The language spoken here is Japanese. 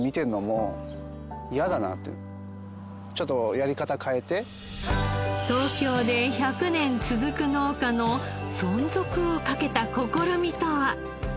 それは東京で１００年続く農家の存続をかけた試みとは？